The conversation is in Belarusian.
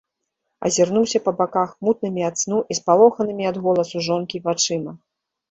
Азірнуўся па баках мутнымі ад сну і спалоханымі ад голасу жонкі вачыма.